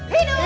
hidup pak rt